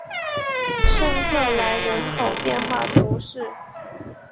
圣克莱人口变化图示